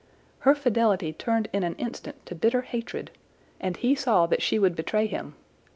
Her fidelity turned in an instant to bitter hatred, and he saw that she would betray him.